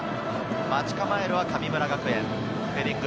待ち構えるのは神村学園。